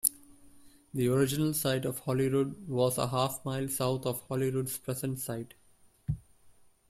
The original site of Holyrood was a half-mile south of Holyrood's present site.